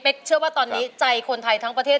เชื่อว่าตอนนี้ใจคนไทยทั้งประเทศ